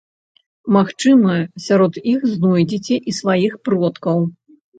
Магчыма, сярод іх знойдзеце і сваіх продкаў.